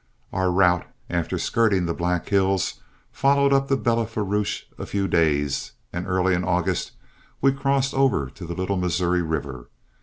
Our route, after skirting the Black Hills, followed up the Belle Fourche a few days, and early in August we crossed over to the Little Missouri River.